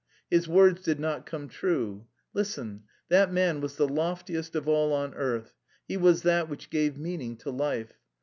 His words did not come true. Listen: that Man was the loftiest of all on earth, He was that which gave meaning to life.